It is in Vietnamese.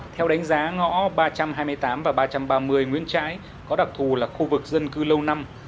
theo đánh giá ngõ ba trăm hai mươi tám và ba trăm ba mươi nguyễn trãi có đặc thù là khu vực dân cư lâu năm